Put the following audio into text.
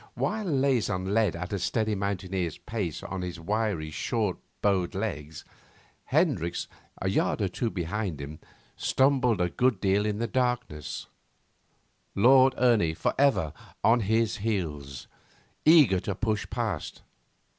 While Leysin led at a steady mountaineer's pace on his wiry, short, bowed legs, Hendricks, a yard or two behind him, stumbled a good deal in the darkness, Lord Ernie forever on his heels, eager to push past.